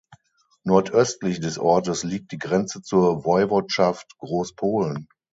Nordöstlich des Ortes liegt die Grenze zur Woiwodschaft Großpolen.